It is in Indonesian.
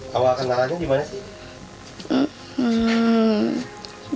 kamu kenalan dia gimana sih